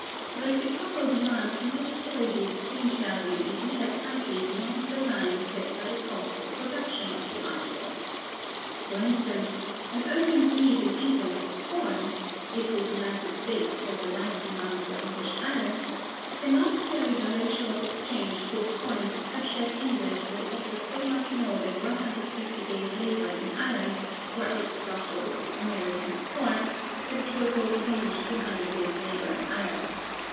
The reciprocal demand can not carry the exchange value in either country beyond the line set by the cost of production of the article. For instance, an urgent need in England for corn (if the United States has a light demand for English iron) can not carry the ratio of exchange to a point such that England will offer so much more than 150 days' labor in iron for x bushels of American corn that it will go beyond 200 days' labor in iron.